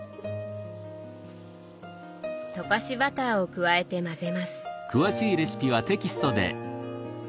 溶かしバターを加えてまぜます。